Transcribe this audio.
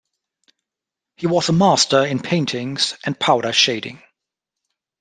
He was a master in paintings and powder shading.